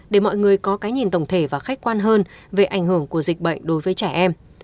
để mọi người có cái nhìn tổng thể và khách quan hơn về ảnh hưởng của dịch bệnh đối với trẻ em